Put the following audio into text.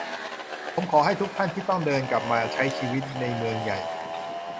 ผมขอให้ทุกท่านที่ต้องเดินกลับมาใช้ชีวิตในเมืองใหญ่